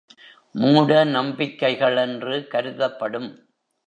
மூட நம்பிக்கைகள் என்று கருதப்படும்.